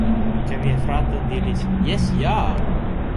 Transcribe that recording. Kaj mia frato diris: "Jes ja!"